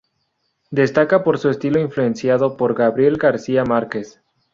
Destaca por su estilo influenciado por Gabriel García Márquez.